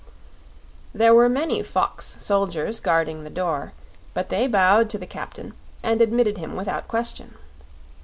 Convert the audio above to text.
There were many fox soldiers guarding the door, but they bowed to the captain and admitted him without question.